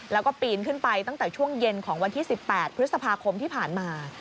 แล้วก็ปีนขึ้นไปตั้งแต่ช่วงเย็นของวันที่๑๘พฤษภาคมที่ผ่านมา